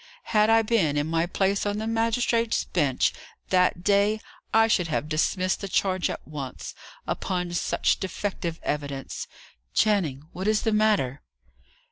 Had I been in my place on the magistrates' bench that day, I should have dismissed the charge at once, upon such defective evidence. Channing, what is the matter?"